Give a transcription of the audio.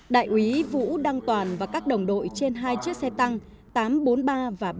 đại úy vũ đăng toàn và các đồng đội trên hai chiếc xe tăng tám trăm bốn mươi ba và ba trăm ba